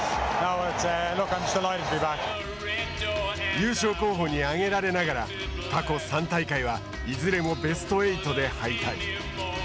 優勝候補に挙げられながら過去３大会はいずれもベスト８で敗退。